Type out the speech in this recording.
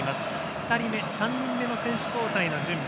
２人目、３人目の選手交代の準備。